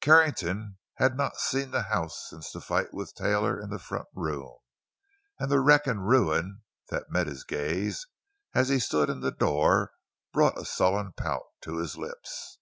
Carrington had not seen the house since the fight with Taylor in the front room, and the wreck and ruin that met his gaze as he stood in the door brought a sullen pout to his lips.